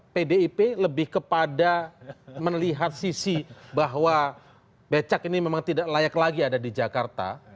pdip lebih kepada melihat sisi bahwa becak ini memang tidak layak lagi ada di jakarta